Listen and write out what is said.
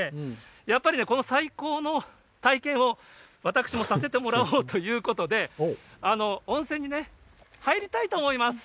やっぱりね、この最高の体験を私もさせてもらおうということで、温泉に入りたいと思います。